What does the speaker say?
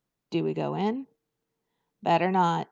"Do we go in?" "Better not.